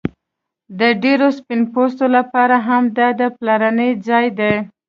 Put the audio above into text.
د ډیرو سپین پوستو لپاره هم دا پلرنی ځای دی